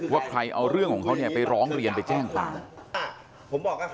ว่าใครเอาเรื่องของเขาเนี่ยไปร้องเรียนไปแจ้งความ